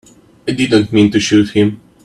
I didn't mean to shoot him.